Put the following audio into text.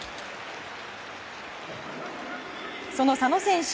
その佐野選手